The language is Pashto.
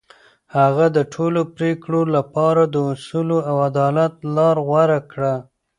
هغه د ټولو پرېکړو لپاره د اصولو او عدالت لار غوره کړه.